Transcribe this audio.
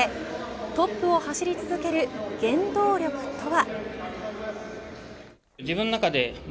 トップを走り続ける原動力とは。